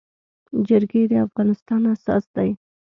جرګي د افغانستان اساس دی.